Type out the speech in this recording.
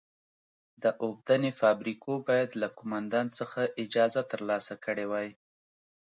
د اوبدنې فابریکو باید له قومندان څخه اجازه ترلاسه کړې وای.